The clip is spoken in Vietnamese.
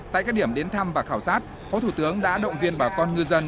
tại các điểm đến thăm và khảo sát phó thủ tướng đã động viên bà con ngư dân